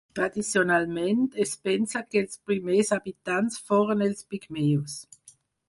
Tradicionalment es pensa que els primers habitants foren els pigmeus.